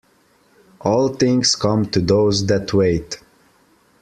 All things come to those that wait.